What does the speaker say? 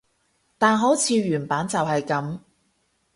但好似原版就係噉